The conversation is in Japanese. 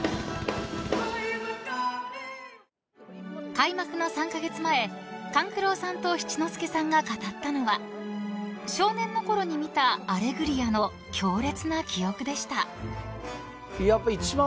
［開幕の３カ月前勘九郎さんと七之助さんが語ったのは少年のころに見た『アレグリア』の強烈な記憶でした］